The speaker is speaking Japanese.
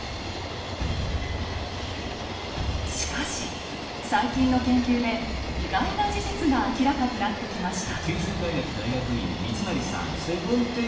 しかし最近の研究で意外な事実が明らかになってきました。